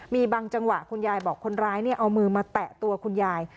มีบางจังหวะคุณยายบอกคนร้ายเอามือมาแตะตัวคุณยาย